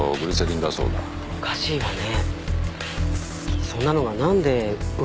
おかしいわね